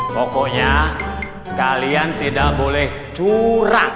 pokoknya kalian tidak boleh curang